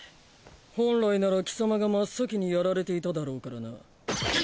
本来なら貴様が真っ先にやられていただろうからな。